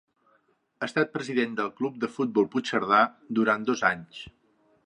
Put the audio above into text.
Ha estat president del Club de Futbol Puigcerdà durant dos anys.